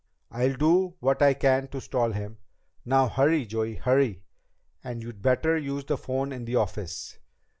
I'll do what I can to stall him. Now hurry, Joey! Hurry! And you'd better use the phone in the office."